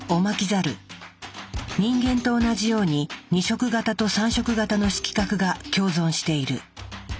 人間と同じように２色型と３色型の色覚が共存している。